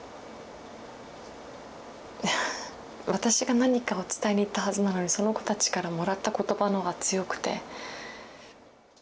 私が何かを伝えに行ったはずなのにその子たちからもらった言葉の方が強くて。